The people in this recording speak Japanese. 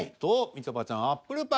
みちょぱちゃん「アップルパイ」。